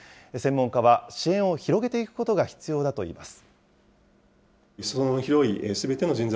専門家は、支援を広げていくことが必要だといいます。